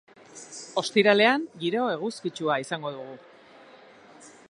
Ostiralean giro eguzkitsua izango dugu.